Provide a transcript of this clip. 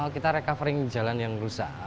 kita recovery jalan yang rusak